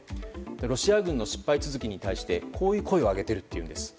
ロシア軍の失敗続きに対してこういう声を上げています。